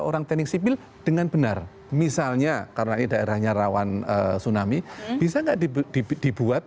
orang teknik sipil dengan benar misalnya karena ini daerahnya rawan tsunami bisa nggak dibuat